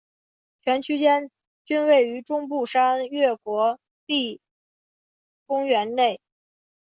全区间均位于中部山岳国立公园内。